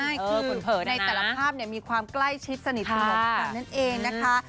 ใช่คือในแต่ละภาพมีความใกล้ชิดสนิทสนมกันนั่นเองนะคะ